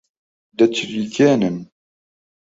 دەچریکێنن